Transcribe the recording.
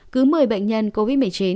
cứ một mươi bệnh nhân covid một mươi chín